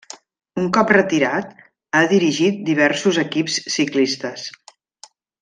Un cop retirat, ha dirigit diversos equips ciclistes.